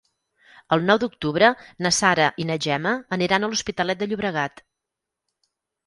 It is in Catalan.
El nou d'octubre na Sara i na Gemma aniran a l'Hospitalet de Llobregat.